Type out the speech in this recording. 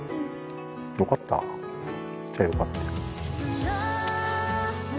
よかった、来てよかったよ。